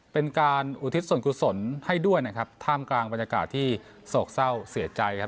เป็นการอุทิศส่วนกุศลให้ด้วยนะครับท่ามกลางบรรยากาศที่โศกเศร้าเสียใจครับ